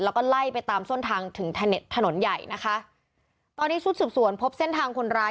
แล้วก็ไล่ไปตามเส้นทางถึงถนนใหญ่นะคะตอนนี้ชุดสืบสวนพบเส้นทางคนร้าย